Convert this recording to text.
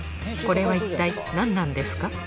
これはいったい何なんですか？